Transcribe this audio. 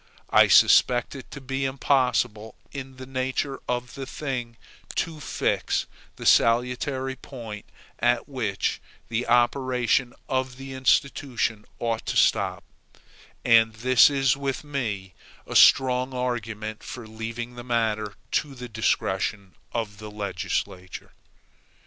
I suspect it to be impossible in the nature of the thing to fix the salutary point at which the operation of the institution ought to stop, and this is with me a strong argument for leaving the matter to the discretion of the legislature.